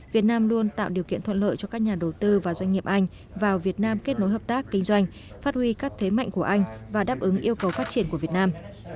việt nam luôn tạo điều kiện thuận lợi cho các nhà đầu tư và doanh nghiệp anh vào việt nam kết nối hợp tác kinh doanh phát huy các thế mạnh của anh và đáp ứng yêu cầu phát triển của việt nam